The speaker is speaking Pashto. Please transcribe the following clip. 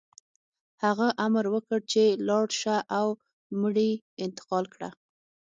هغه امر وکړ چې لاړ شه او مړي انتقال کړه